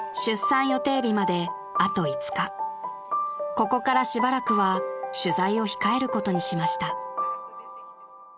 ［ここからしばらくは取材を控えることにしました］